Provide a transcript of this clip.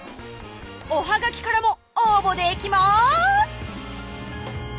おハガキからも応募できます